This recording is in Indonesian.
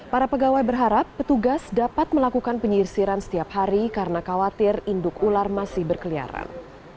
para pegawai berharap petugas dapat melakukan penyisiran setiap hari karena khawatir induk ular masih berkeliaran